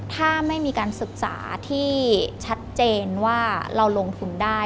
ถ้าไม่มีการศึกษาที่ชัดเจนว่าเราลงทุนได้